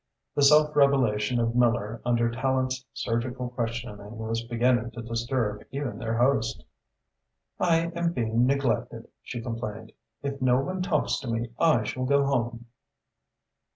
The self revelation of Miller under Tallente's surgical questioning was beginning to disturb even their host. "I am being neglected," she complained. "If no one talks to me, I shall go home."